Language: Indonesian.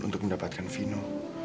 untuk mendapatkan vino